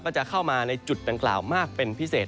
จะเข้ามาในจุดดังกล่าวมากเป็นพิเศษ